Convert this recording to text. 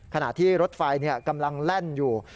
ขณะที่รถไฟกำลังแล่นอยู่